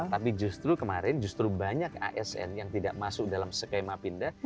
tapi justru kemarin justru banyak asn yang tidak masuk dalam skema pindah